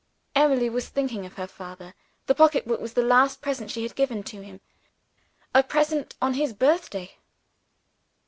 Emily was thinking of her father. The pocketbook was the last present she had given to him a present on his birthday.